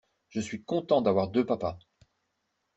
Je suis content d'avoir deux papas.